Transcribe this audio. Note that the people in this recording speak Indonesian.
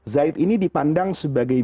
zaid ini dipandang sebagai